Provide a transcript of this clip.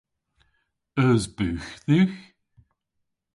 Eus bugh dhywgh?